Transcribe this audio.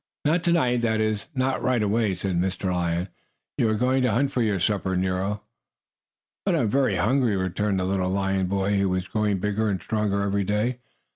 "Not to night that is, not right away," said Mr. Lion. "You are going to hunt for your supper, Nero." "But I am very hungry," returned the little lion boy, who was growing bigger and stronger every day.